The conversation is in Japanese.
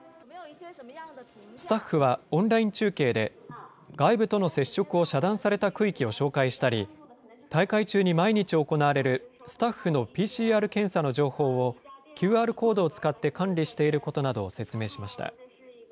スタッフはオンライン中継で、外部との接触を遮断された区域を紹介したり、大会中に毎日行われる、スタッフのＰＣＲ検査の情報を、ＱＲコードを使って管理していることなどを説明しました。